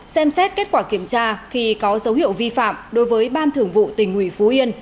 một xem xét kết quả kiểm tra khi có dấu hiệu vi phạm đối với ban thường vụ tình uỷ phú yên